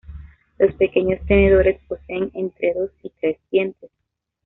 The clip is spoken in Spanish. Los pequeños tenedores poseen entre dos y tres dientes.